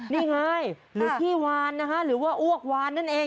นี่ไงหรือขี้วานนะคะหรือว่าอ้วกวานนั่นเอง